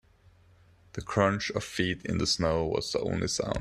The crunch of feet in the snow was the only sound.